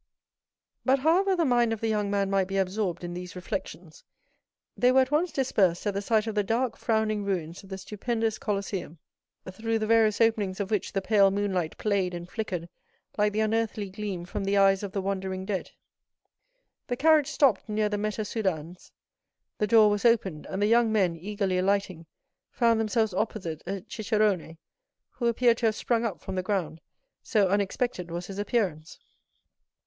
But however the mind of the young man might be absorbed in these reflections, they were at once dispersed at the sight of the dark frowning ruins of the stupendous Colosseum, through the various openings of which the pale moonlight played and flickered like the unearthly gleam from the eyes of the wandering dead. The carriage stopped near the Meta Sudans; the door was opened, and the young men, eagerly alighting, found themselves opposite a cicerone, who appeared to have sprung up from the ground, so unexpected was his appearance.